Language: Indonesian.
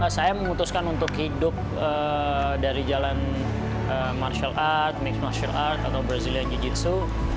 saya memutuskan untuk hidup dari jalan martial art mixed martial art atau brazilian jiu jitsu